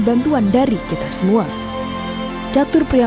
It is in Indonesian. bantuan dari kita semua